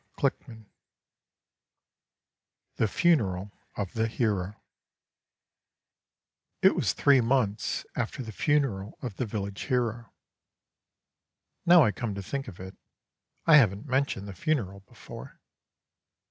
XI The Funeral of the Hero IT was three months after the funeral of the Village Hero. Now I come to think of it, I haven't mentioned the funeral before.